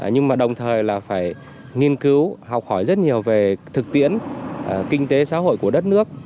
nhưng mà đồng thời là phải nghiên cứu học hỏi rất nhiều về thực tiễn kinh tế xã hội của đất nước